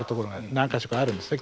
何か所かあるんですね